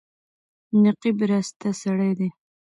نقيب راسته سړی دی.